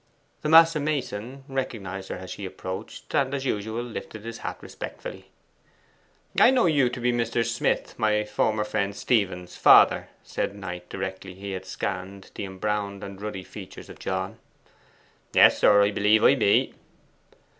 The master mason recognized her as she approached, and, as usual, lifted his hat respectfully. 'I know you to be Mr. Smith, my former friend Stephen's father,' said Knight, directly he had scanned the embrowned and ruddy features of John. 'Yes, sir, I b'lieve I be.